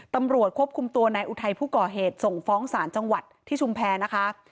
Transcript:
ตำรวจควบคุมตัวนายอุทัยผู้ก่อเหตุส่งฟ้องศาลจังหวัดที่ชุมแพรนะคะ